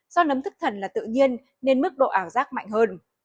do nấm thức thần là tự nhiên nên mức độ ảo giác mạnh hơn